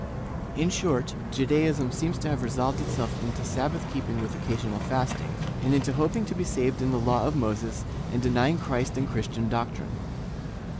In short, Judaism seems to have resolved itself into Sabbath keeping with occasional fasting, and into hoping to be saved in the Law of Moses and denying Christ and Christian doctrine.